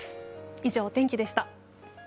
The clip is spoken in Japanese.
以上、お天気でした。